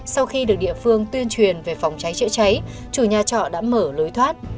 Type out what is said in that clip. sau khi được địa phương tuyên truyền về phòng cháy chữa cháy chủ nhà trọ đã mở lối thoát